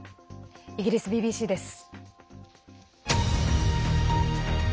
イギリスＢＢＣです。